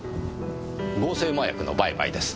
合成麻薬の売買です。